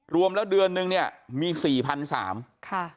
รวมแล้วเดือนหนึ่งมี๔๓๐๐บาท